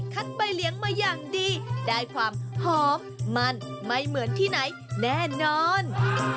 ใบเลี้ยงมาอย่างดีได้ความหอมมันไม่เหมือนที่ไหนแน่นอน